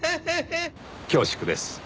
恐縮です。